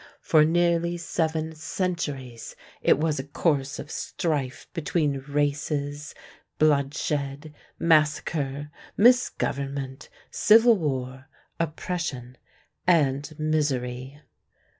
For nearly seven centuries it was a course of strife between races, bloodshed, massacre, misgovernment, civil war, oppression, and misery."